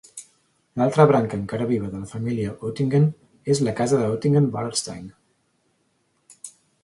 L'altra branca encara viva de la família Oettingen és la Casa de Oettingen-Wallerstein.